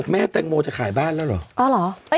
แม่แตงโมจะขายบ้านแล้วเหรอ